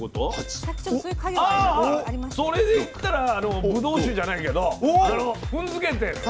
あそれでいったらぶどう酒じゃないけど踏んづけてる。